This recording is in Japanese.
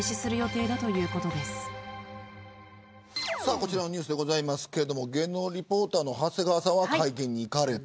こちらのニュースですが芸能リポーターの長谷川さんは会見に行かれた。